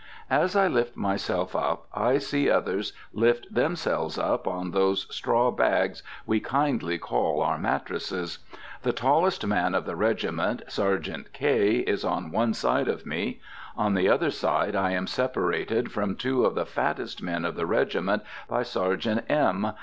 As I lift myself up, I see others lift themselves up on those straw bags we kindly call our mattresses. The tallest man of the regiment, Sergeant K., is on one side of me. On the other side I am separated from two of the fattest men of the regiment by Sergeant M.